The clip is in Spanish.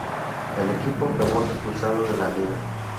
El equipo acabó expulsado de la liga.